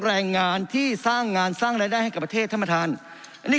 แรงงานที่สร้างงานสร้างรายได้ให้กับประเทศท่านประธานอันนี้